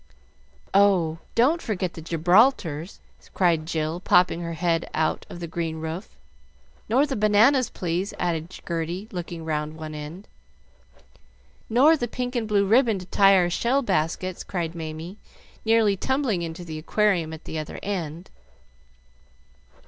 "Oh, don't forget the Gibraltars!" cried Jill, popping her head out of the green roof. "Nor the bananas, please!" added Gerty, looking round one end. "Nor the pink and blue ribbon to tie our shell baskets," called Mamie, nearly tumbling into the aquarium at the other end.